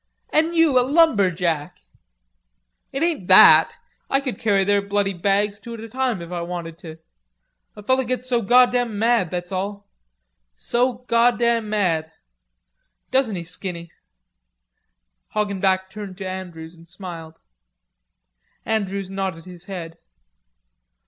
"An' you a lumberjack!" "It ain't that. I could carry their bloody bags two at a time if I wanted ter. A feller gets so goddam mad, that's all; so goddam mad. Don't he, Skinny?" Hoggenback turned to Andrews and smiled. Andrews nodded his head.